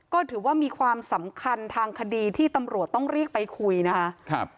ก็ถือว่ามีความสำคัญทางคดีที่ตำรวจต้องเรียกไปคุยนะคะ